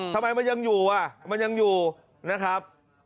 ทำไมมันยังอยู่อ่ะมันยังอยู่นะครับ